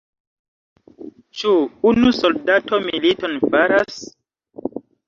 Ĉu unu soldato militon faras?